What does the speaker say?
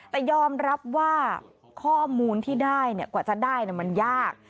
แต่ยอมรับว่าข้อมูลที่ได้เนี่ยกว่าจะได้เนี่ยมันยาก